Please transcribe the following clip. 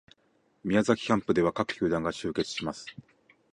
宮崎キャンプでは各球団が集結します